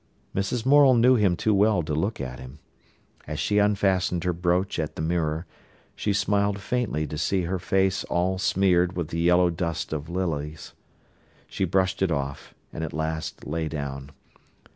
Mrs. Morel knew him too well to look at him. As she unfastened her brooch at the mirror, she smiled faintly to see her face all smeared with the yellow dust of lilies. She brushed it off, and at last lay down.